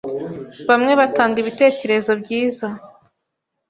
Bamwe batanga ibitekerezo byiza